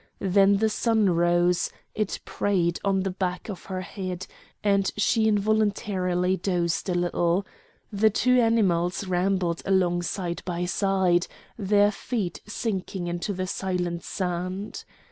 Then the sun rose; it preyed on the back of her head, and she involuntarily dozed a little. The two animals rambled along side by side, their feet sinking into the silent sand.